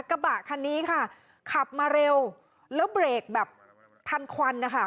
กระบะคันนี้ค่ะขับมาเร็วแล้วเบรกแบบทันควันนะคะ